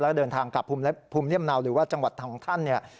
และเดินทางกลับภูมิลำเนาหรือว่าจังหวัดทางข้าน